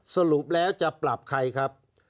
สรุปแล้วจะปรับใครครับ